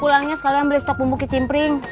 pulangnya sekalian beli stok bumbu kicim pring